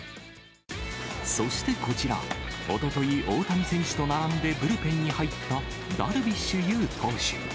そしてこちら、おととい、大谷選手と並んでブルペンに入ったダルビッシュ有投手。